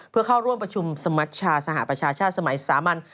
เพื่อเข้าร่วมประชุมสมัชชาสหประชาชาติสมัยสามัญ